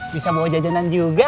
bisa bawa jajanan juga